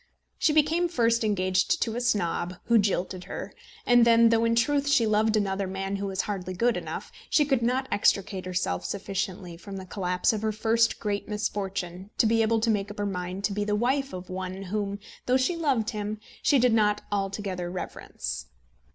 She became first engaged to a snob, who jilted her; and then, though in truth she loved another man who was hardly good enough, she could not extricate herself sufficiently from the collapse of her first great misfortune to be able to make up her mind to be the wife of one whom, though she loved him, she did not altogether reverence.